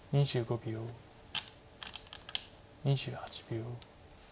２８秒。